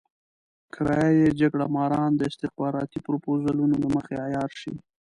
کرايه يي جګړه ماران د استخباراتي پروپوزلونو له مخې عيار شي.